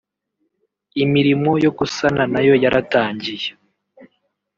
Imirimo yo gusana nayo yaratangiye